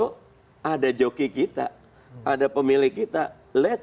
kalau dia di dpr berbagaimana akibat ini